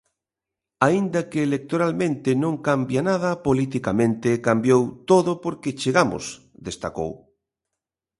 "Aínda que electoralmente non cambia nada, politicamente cambiou todo porque chegamos", destacou.